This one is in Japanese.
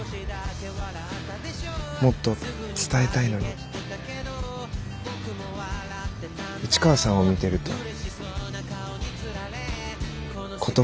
もっと伝えたいのに市川さんを見てると言葉が出てこない。